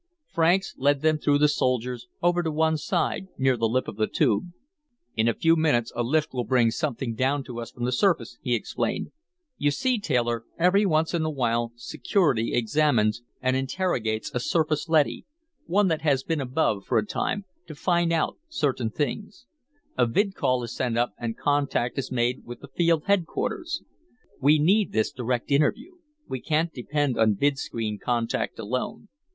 Franks led them through the soldiers, over to one side, near the lip of the Tube. "In a few minutes, a lift will bring something down to us from the surface," he explained. "You see, Taylor, every once in a while Security examines and interrogates a surface leady, one that has been above for a time, to find out certain things. A vidcall is sent up and contact is made with a field headquarters. We need this direct interview; we can't depend on vidscreen contact alone.